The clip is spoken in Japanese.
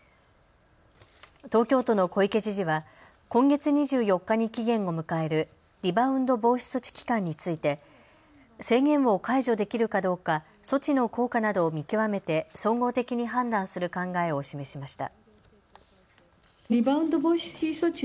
東京都の小池知事は今月２４日に期限を迎えるリバウンド防止措置期間について宣言を解除できるかどうか措置の効果などを見極めて総合的に判断する考えを示しました。